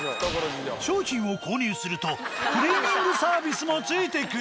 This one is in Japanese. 商品を購入するとクリーニングサービスも付いてくる。